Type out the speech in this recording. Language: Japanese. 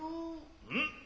うん。